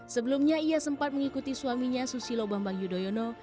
sebelumnya ia sempat mengikuti suaminya susilo bambang yudhoyono